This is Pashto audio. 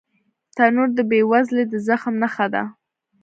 تنور د بې وزلۍ د زغم نښه ده